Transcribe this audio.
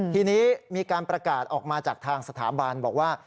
ทีนี้มีการประกาศออกมาจากทางสถาบันบอกว่า